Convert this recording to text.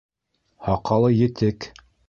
Һаҡалы етек.